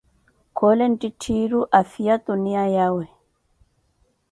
́Khoole nttitthiiru afhiya tuniya yawe`.